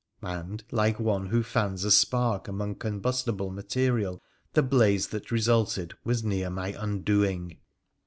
And, like one who fans a spark among combustible material, the blaze that resulted was near my undoing.